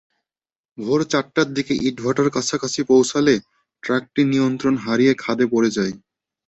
ভোর চারটার দিকে ইটভাটার কাছাকাছি পৌঁছালে ট্রাকটি নিয়ন্ত্রণ হারিয়ে খাদে পড়ে যায়।